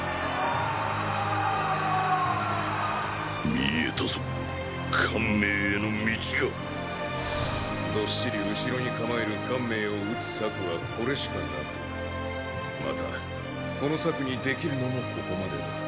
見えたぞ汗明への道がどっしり後ろに構える汗明を討つ策はこれしかなくまたこの策にできるのもここまでだ。